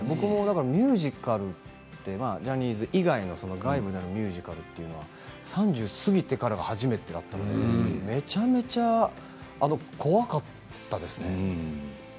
ミュージカルジャニーズ以外の外部のミュージカルは３０過ぎてからが初めてだったのでめちゃくちゃ怖かったですね。